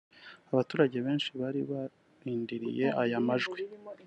Abaturage benshi bari barindiriye aya majwi